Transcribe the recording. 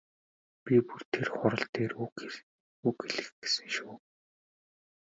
Би бүр тэр хурал дээр үг хэлэх гэсэн шүү.